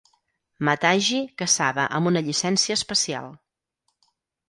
Matagi caçava amb una llicència especial.